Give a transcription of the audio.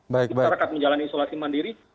masyarakat menjalani isolasi mandiri